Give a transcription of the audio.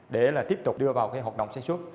để là tiếp tục đưa vào cái hoạt động sản xuất